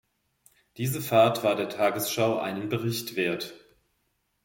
Diese Fahrt war der Tagesschau einen Bericht wert.